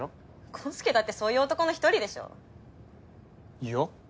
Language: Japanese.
康祐だってそういう男の１人でしょいや？